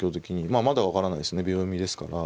まあまだ分からないですね秒読みですから。